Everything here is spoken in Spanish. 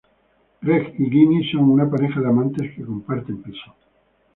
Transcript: Greg y Ginny son una pareja de amantes que comparten piso.